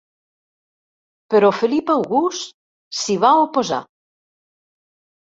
Però Felip August s'hi va oposar.